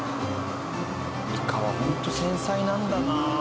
イカはホント繊細なんだなあ。